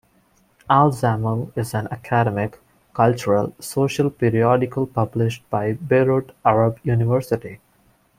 "Al Zamil" is an academic, cultural, social periodical published by Beirut Arab University.